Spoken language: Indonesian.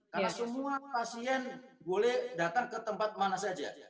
karena semua pasien boleh datang ke tempat mana saja